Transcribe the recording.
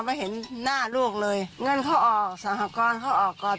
ไม่เห็นหน้าลูกเลยเงินเขาออกสหกรณ์เขาออกก่อน